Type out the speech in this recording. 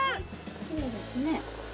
きれいですね。